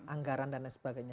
anggaran dan sebagainya